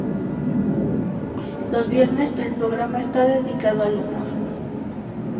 Los viernes, el programa está dedicado al humor.